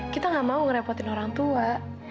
kita gak mau ngerepotin orang tua